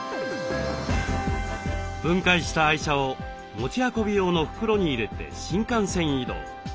分解した愛車を持ち運び用の袋に入れて新幹線移動。